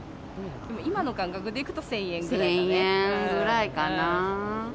今の感覚でいくと、１０００１０００円ぐらいかなぁ。